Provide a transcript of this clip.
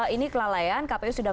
ini kelalaian kpu sudah